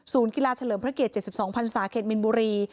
กีฬาเฉลิมพระเกียร๗๒พันศาเขตมินบุรี